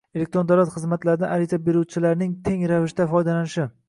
elektron davlat xizmatlaridan ariza beruvchilarning teng ravishda foydalanishi;